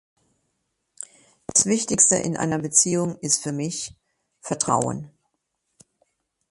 Das wichtigste in einer Beziehung ist für mich, vertrauen.